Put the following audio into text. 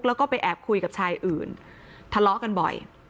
แล้วก็ไปแอบคุยกับชายอื่นทะเลาะกันบ่อย